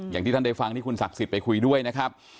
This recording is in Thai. อย่างที่ท่านได้ฟังที่คุณศักดิ์สิทธิ์ไปคุยด้วยนะครับ